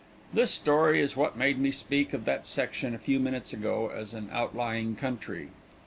This story is what made me speak of that section a few minutes ago as an outlying country.